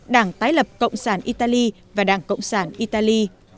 đảng tái lập cộng sản italy và đảng cộng sản italy